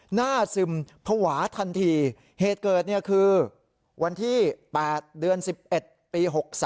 ซึมภาวะทันทีเหตุเกิดคือวันที่๘เดือน๑๑ปี๖๓